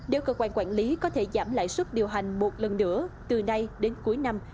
nếu cơ quan quản lý có thể giảm lãi suất điều hành một lần nữa từ nay đến cuối năm